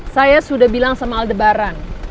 saya sudah bilang sama aldebaran